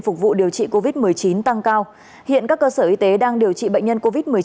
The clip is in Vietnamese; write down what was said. phục vụ điều trị covid một mươi chín tăng cao hiện các cơ sở y tế đang điều trị bệnh nhân covid một mươi chín